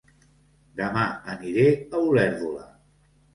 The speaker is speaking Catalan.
Dema aniré a Olèrdola